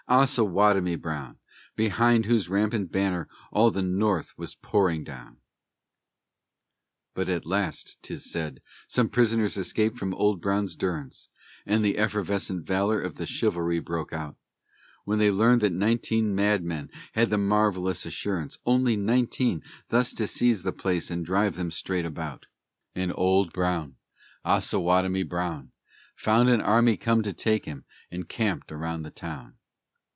Osawatomie Brown! Behind whose rampant banner all the North was pouring down. But at last, 'tis said, some prisoners escaped from Old Brown's durance, And the effervescent valor of the Chivalry broke out, When they learned that nineteen madmen had the marvellous assurance Only nineteen thus to seize the place and drive them straight about; And Old Brown, Osawatomie Brown, Found an army come to take him, encamped around the town.